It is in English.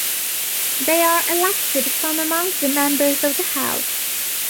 They are elected from among the members of the House.